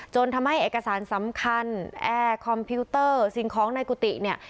ทำให้เอกสารสำคัญแอร์คอมพิวเตอร์สิ่งของในกุฏิเนี่ย